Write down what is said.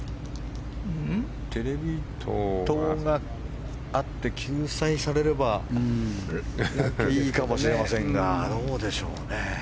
テレビ塔があって救済されればいいかもしれませんがどうでしょうね。